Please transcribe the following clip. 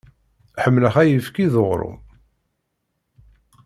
Ḥemmleɣ ayefki d uɣrum.